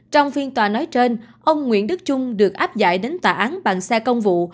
trong phiên tòa nói trên ông nguyễn đức trung được áp giải đến tòa án bằng xe công vụ